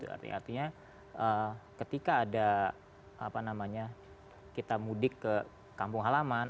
artinya ketika ada kita mudik ke kampung halaman